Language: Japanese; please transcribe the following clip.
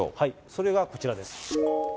それがこちらです。